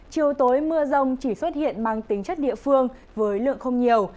chiều tối mưa rông chỉ xuất hiện mang tính chất địa phương với lượng không nhiều